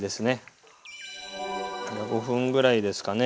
５分ぐらいですかね